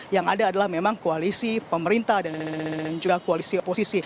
yang ada adalah memang koalisi pemerintah dan juga koalisi oposisi